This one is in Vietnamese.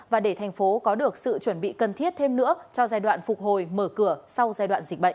và để thành phố có được sự chuẩn bị cần thiết thêm nữa cho giai đoạn phục hồi mở cửa sau giai đoạn dịch bệnh